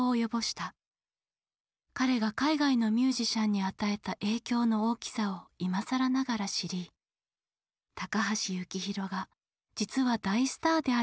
彼が海外のミュージシャンに与えた影響の大きさを今更ながら知り高橋幸宏が実は大スターであることが判明した。